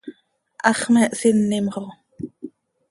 ¡Hax me hsinim xo!